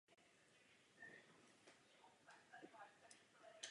Suché teplé lesy jižní Evropy.